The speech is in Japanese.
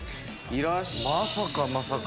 まさかまさか。